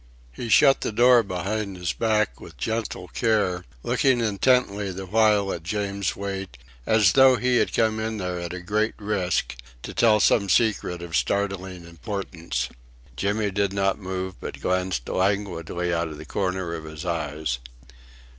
He shut the door behind his back with gentle care, looking intently the while at James Wait as though he had come in there at a great risk to tell some secret of startling im portance. Jimmy did not move but glanced languidly out of the corners of his eyes.